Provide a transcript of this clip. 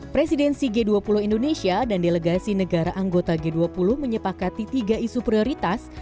presidensi g dua puluh indonesia dan delegasi negara anggota g dua puluh menyepakati tiga isu prioritas